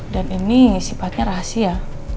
dan ini sifatnya rahasia